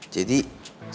jadi saya berpikir ya